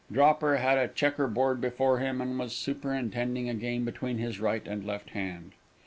Dropper had a checker board before him, and was superintending a game between his right and left hand.